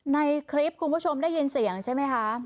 ในคลิปคุณผู้ชมได้ยินเสียงใช่ไหมคะ